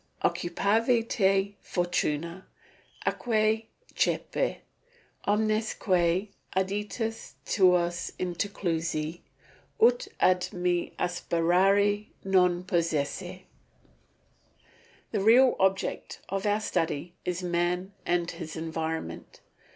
"Occupavi te, fortuna, atque cepi; omnes que aditus tuos interclusi, ut ad me aspirare non posses." The real object of our study is man and his environment.